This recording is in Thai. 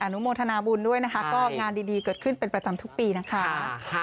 นุโมทนาบุญด้วยนะคะก็งานดีเกิดขึ้นเป็นประจำทุกปีนะคะ